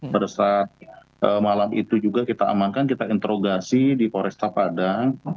pada saat malam itu juga kita amankan kita interogasi di poresta padang